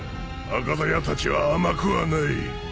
赤鞘たちは甘くはない。